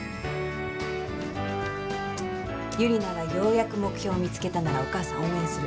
ユリナがようやく目標見つけたならお母さん応援する。